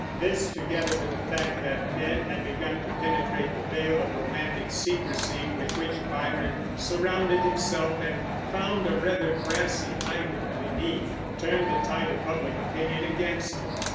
This, together with the fact that men had begun to penetrate the veil of romantic secrecy with which Byron surrounded himself and found a rather brassy idol beneath, turned the tide of public opinion against him.